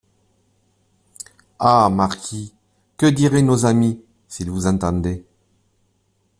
Ah ! marquis, que diraient nos amis, s'ils vous entendaient ?